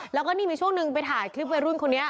แล้วก็นี่มีช่วงหนึ่งไปถ่ายคลิปวัยรุ่นคนนี้